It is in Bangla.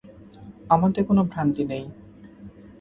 আমাতে কোন ভ্রান্তি নেই।